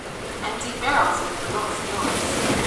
Empty barrels make the most noise.